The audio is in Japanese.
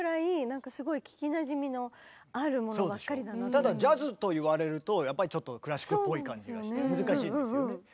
ただジャズと言われるとやっぱりちょっとクラシックっぽい感じがして難しいんですよね。